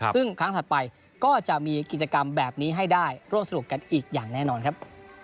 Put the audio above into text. ซึ่งครั้งถัดไปก็จะมีกิจกรรมแบบนี้ให้ได้ร่วมสนุกกันอีกอย่างแน่นอนครับ